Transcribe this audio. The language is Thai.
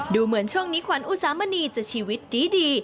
ดูเหมือนช่วงนี้ขวัญอุสามณีจะชีวิตดี